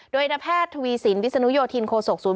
โดยอินทราแพทย์ทวีศิลป์วิศนุโยธินโคศกศูนย์